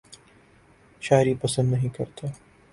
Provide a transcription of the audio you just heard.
شاعری پسند نہیں کرتا